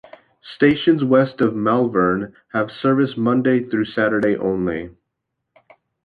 Stations west of Malvern have service Monday through Saturday only.